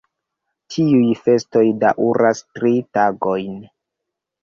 Tiuj festoj daŭras tri tagojn.